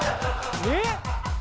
えっ！